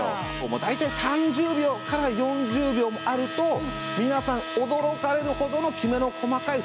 大体３０秒から４０秒もあると皆さん驚かれるほどのきめの細かい粉末になるんですよ。